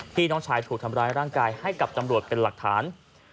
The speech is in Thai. น้องชายถูกทำร้ายร่างกายให้กับตำรวจเป็นหลักฐาน